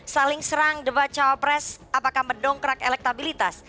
saling serang debat cawa press apakah mendongkrak elektabilitas